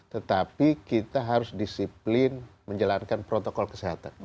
tetapi kita harus disiplin menjalankan protokol kesehatan